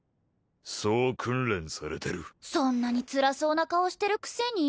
そう訓練されてるそんなにつらそうな顔してるくせに？